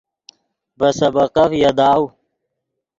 ڤے سبقف یاداؤ